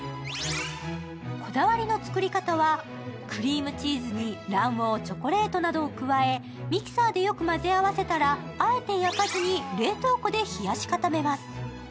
こだわりの作り方は、クリームチーズに卵黄、チョコレートなどを加えミキサーでよく混ぜ合わせたら、あえて焼かずに冷凍庫で冷やし固めます。